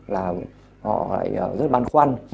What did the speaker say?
là họ lại rất băn khoăn